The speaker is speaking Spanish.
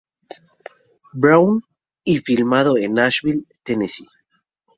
Brown, y filmado en Nashville, Tennessee.